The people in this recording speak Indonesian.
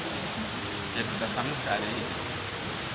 prioritas kami bisa ada di sini